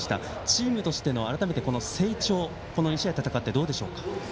チームとしての改めて成長２試合戦ってどうでしょうか？